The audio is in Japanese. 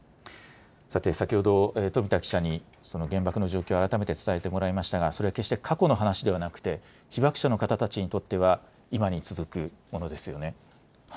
さて先ほど富田記者に原爆の状況を改めて伝えてもらいましたがそれは決して過去の話ではなく被爆者の方々にとっては今に続くものですよね。